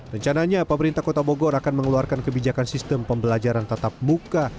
rencananya pemerintah kota bogor akan mengeluarkan kebijakan sistem pembelajaran tetap buka